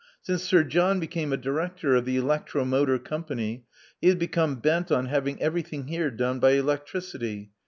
Since Sir John became a director of the Electro motor company, he has become bent on having everything here done by electricity.